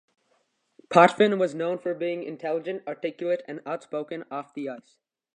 Potvin was known for being intelligent, articulate, and outspoken off the ice.